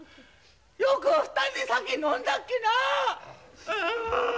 よく２人で酒飲んだっけなあ。